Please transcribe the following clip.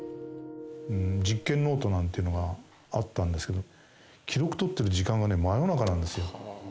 実験ノートなんていうのがあったんですけど、記録取ってる時間がね、真夜中なんですよ。